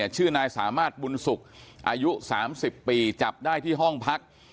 ชื่อนายสามารถบุญสุขอายุ๓๐ปีจับได้ที่ห้องพัก